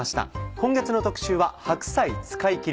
今月の特集は「白菜使いきり！」。